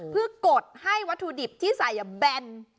เพื่อกดให้วัตถุดิบที่ใส่แบน